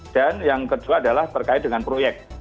dan yang kedua adalah berkaitan dengan proyek